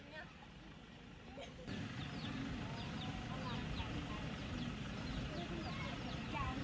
สวัสดีครับ